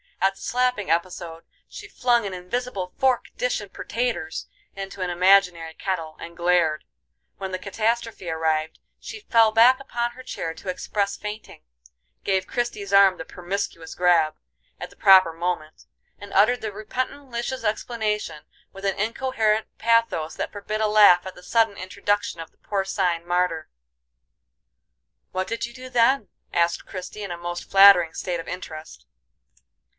At the slapping episode she flung an invisible "fork, dish, and pertaters" into an imaginary kettle, and glared; when the catastrophe arrived, she fell back upon her chair to express fainting; gave Christie's arm the "permiscuous grab" at the proper moment, and uttered the repentant Lisha's explanation with an incoherent pathos that forbid a laugh at the sudden introduction of the porcine martyr. "What did you do then?" asked Christie in a most flattering state of interest.